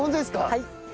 はい。